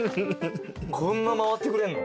こんな回ってくれんの？